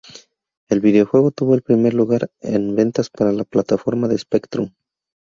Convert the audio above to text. El videojuego tuvo el primer lugar en ventas para la plataforma de Spectrum.